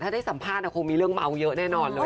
ถ้าได้สัมภาษณ์คงมีเรื่องเมาเยอะแน่นอนเลย